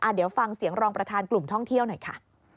เดี๋ยวฟังเสียงรองประธานกลุ่มท่องเที่ยวหน่อยค่ะ